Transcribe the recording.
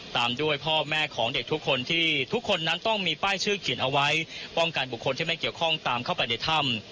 ตามด้วยพ่อแม่ของเด็กทุกคนที่ทุกคนนั้นต้องมีป้ายชื่อเขียนเอาไว้ป้องกันบุคคลที่ไม่เกี่ยวข้องตามเข้าไปในถ้ำ